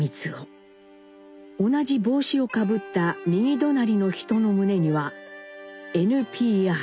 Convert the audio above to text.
同じ帽子をかぶった右隣の人の胸には「ＮＰＲ」。